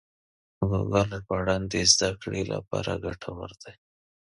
ګوګل ژباړن د زده کړې لپاره ګټور دی.